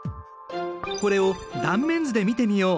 これを断面図で見てみよう。